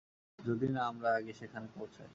যদি না আমরা আগে সেখানে পৌঁছাই।